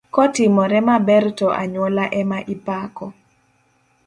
Kotimore maber to anyuola ema ipako.